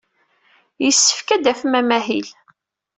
Yessefk ad d-tafem amahil.